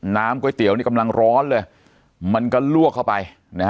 ก๋วยเตี๋ยวนี่กำลังร้อนเลยมันก็ลวกเข้าไปนะฮะ